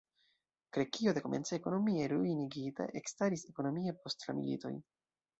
Grekio, dekomence ekonomie ruinigita, ekstaris ekonomie post la militoj.